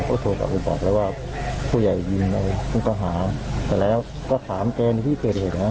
ก็บอกว่าจะเห็นคาต่อแกช็กไฟ้าฝืน